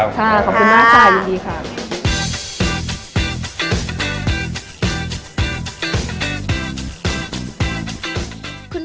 สวัสดีครับ